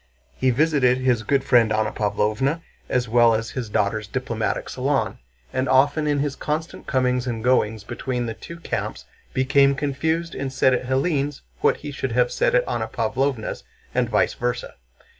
He visited his "good friend Anna Pávlovna" as well as his daughter's "diplomatic salon," and often in his constant comings and goings between the two camps became confused and said at Hélène's what he should have said at Anna Pávlovna's and vice versa.